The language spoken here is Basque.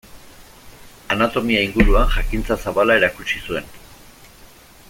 Anatomia inguruan jakintza zabala erakutsi zuen.